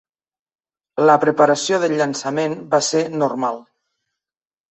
La preparació del llançament va ser normal.